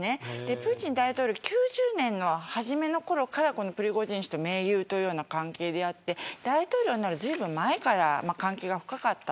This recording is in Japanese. プーチン大統領は９０年の初めのころからプリゴジン氏と盟友の関係で大統領になるずいぶん前から関係が深かった。